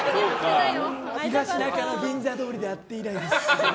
東中野銀座通りで会って以来です。